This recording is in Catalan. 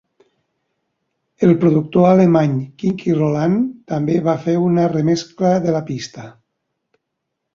El productor alemany Kinky Roland també va fer una remescla de la pista.